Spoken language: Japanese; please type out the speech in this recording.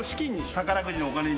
宝くじのお金に。